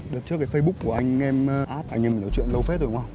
lần trước cái facebook của anh em áp anh em nói chuyện lâu phết rồi đúng không